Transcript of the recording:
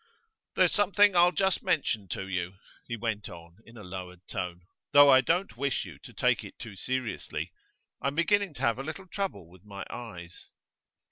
'There's something I'll just mention to you,' he went on in a lowered tone, 'though I don't wish you to take it too seriously. I'm beginning to have a little trouble with my eyes.